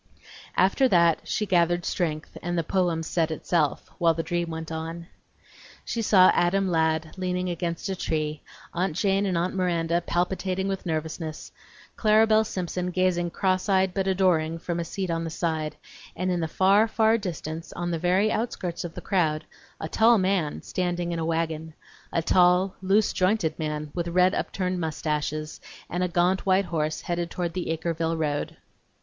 After that she gathered strength and the poem "said itself," while the dream went on. She saw Adam Ladd leaning against a tree; Aunt Jane and Aunt Miranda palpitating with nervousness; Clara Belle Simpson gazing cross eyed but adoring from a seat on the side; and in the far, far distance, on the very outskirts of the crowd, a tall man standing in a wagon a tall, loose jointed man with red upturned mustaches, and a gaunt white horse headed toward the Acreville road.